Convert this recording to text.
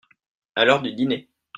À l'heure du dîner.